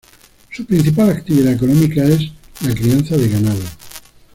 Su principal actividad económica es la crianza de ganado.